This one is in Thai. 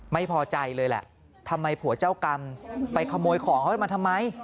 ไม่พอใจเลยแหละทำไมผัวเจ้ากรรมไปขโมยของเขามาทำไม